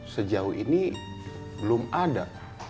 sejauh ini belum ada